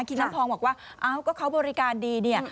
น้ำพองบอกว่าเอ้าก็เขาบริการดีเนี่ย